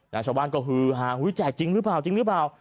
ชาวบ้านก็ฮือฮาอุ้ยแจกจริงหรือเปล่าจริงหรือเปล่า